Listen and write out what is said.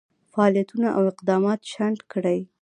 فعالیتونه او اقدامات شنډ کړي.